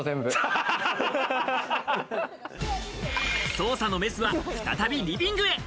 捜査のメスは再びリビングへ！